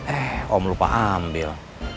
eh om lupa ambil